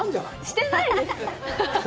してないです！